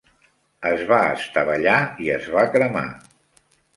Es va estavellar i es va cremar